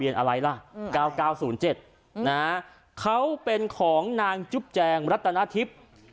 อะไรล่ะ๙๙๐๗นะฮะเขาเป็นของนางจุ๊บแจงรัตนาทิพย์